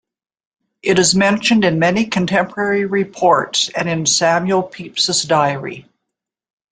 It is mentioned in many contemporary reports and in Samuel Pepys's diary.